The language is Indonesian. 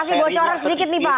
kasih bocoran sedikit nih pak